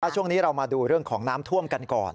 ช่วงนี้เรามาดูเรื่องของน้ำท่วมกันก่อน